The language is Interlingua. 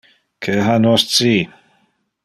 Que ha nos ci?